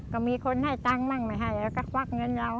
ก็มีคนให้ตังค์มั่งไม่ให้แล้วก็ควักเงินเอา